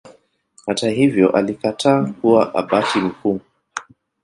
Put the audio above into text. Hata hivyo alikataa kuwa Abati mkuu.